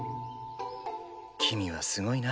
君はすごいな。